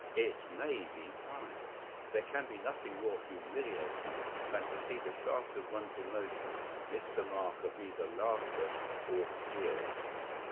It may be pride. There can be nothing more humiliating than to see the shaft of one's emotion miss the mark of either laughter or tears.